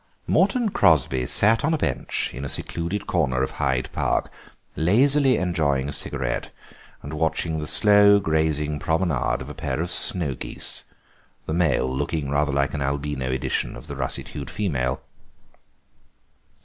Morton Crosby sat on a bench in a secluded corner of Hyde Park, lazily enjoying a cigarette and watching the slow grazing promenade of a pair of snow geese, the male looking rather like an albino edition of the russet hued female.